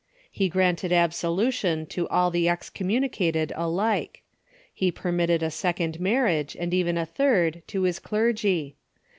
He granted absolution to all the excommunicat ed alike. He permitted a second marriage, and even a third, to his clergy.